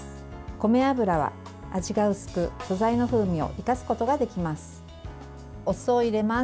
米油は味が薄く、素材の風味を生かすことができます。